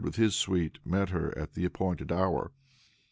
with his suite, met her at the appointed hour.